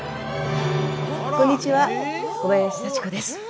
こんにちは小林幸子です。